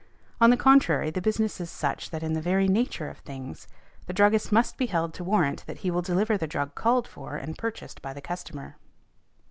On the contrary, the business is such that in the very nature of things, the druggist must be held to warrant that he will deliver the drug called for and purchased by the customer .